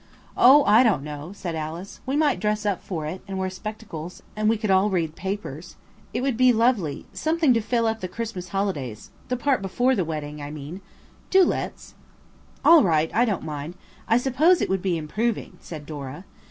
"Oh, I don't know," said Alice. "We might dress up for it, and wear spectacles, and we could all read papers. It would be lovely–something to fill up the Christmas holidays–the part before the wedding, I mean. Do let's." "All right, I don't mind. I suppose it would be improving," said Dora.